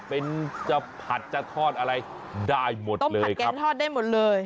เป็นจะผัดจะทอดอะไรได้หมดเลยครับต้มผัดเก็บทอดได้หมดเลย